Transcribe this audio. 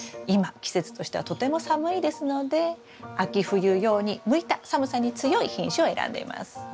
今季節としてはとても寒いですので秋冬用に向いた寒さに強い品種を選んでいます。